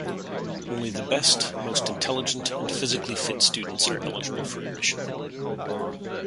Only the best, most intelligent, and physically fit students are eligible for admission.